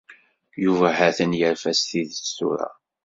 Yuba ha-t-an yerfa s tidet tura.